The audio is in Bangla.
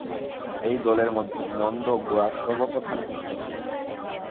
এই দলের মধ্যে নন্দ গোরার সর্বপ্রধান ভক্ত ছিল।